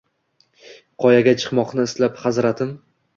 Qoyaga chiqmoqni istab, hazratim